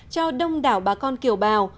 cho đông đảo bà con kiều bào